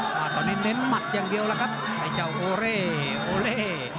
ตอนนี้เน้นหมัดอย่างเดียวแล้วครับไอ้เจ้าโอเล่โอเล่